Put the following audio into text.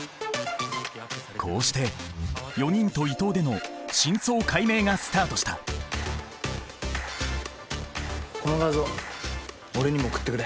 こうして４人と伊藤での真相解明がスタートしたこの画像俺にも送ってくれ。